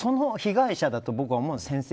その被害者だと僕は思うんです先生